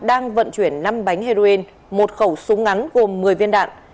đang vận chuyển năm bánh heroin một khẩu súng ngắn gồm một mươi viên đạn